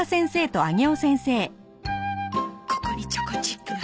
ここにチョコチップがあって。